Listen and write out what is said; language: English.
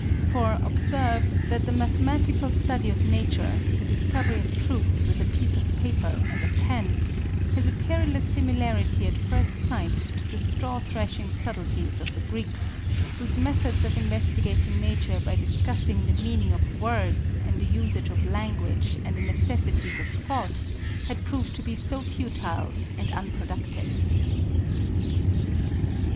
For, observe, that the mathematical study of Nature, the discovery of truth with a piece of paper and a pen, has a perilous similarity at first sight to the straw thrashing subtleties of the Greeks, whose methods of investigating nature by discussing the meaning of words and the usage of language and the necessities of thought, had proved to be so futile and unproductive.